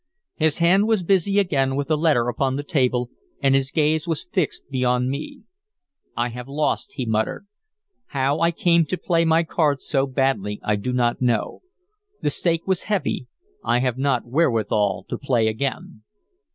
His hand was busy again with the letter upon the table, and his gaze was fixed beyond me. "I have lost," he muttered. "How I came to play my cards so badly I do not know. The stake was heavy, I have not wherewithal to play again."